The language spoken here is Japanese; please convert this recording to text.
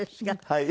はい。